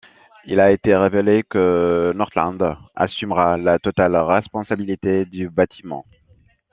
Il a été révélé que Northland assumera la totale responsabilité du bâtiment.